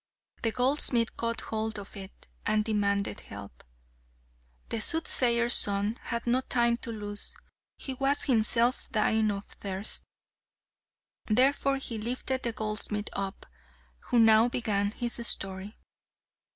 The goldsmith caught hold of it, and demanded help. The Soothsayer's son had no time to lose; he was himself dying of thirst. Therefore he lifted the goldsmith up, who now began his story.